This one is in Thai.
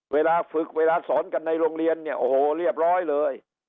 เวลาฝึกเวลาสอนกันในโรงเรียนเนี่ยโอ้โหเรียบร้อยเลย